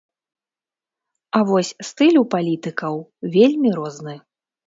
А вось стыль у палітыкаў вельмі розны.